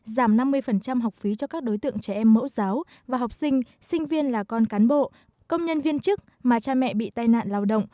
giảm năm mươi học phí cho các đối tượng trẻ em mẫu giáo và học sinh sinh viên là con cán bộ công nhân viên chức mà cha mẹ bị tai nạn lao động